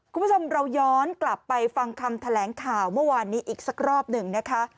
คุณผู้ชมเราย้อนกลับไปฟังคำแถลงข่าวเมื่อวานนี้อีกสักรอบหนึ่งนะคะ